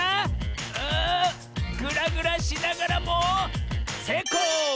あグラグラしながらもせいこう！